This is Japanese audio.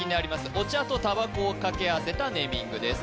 お茶とたばこをかけ合わせたネーミングです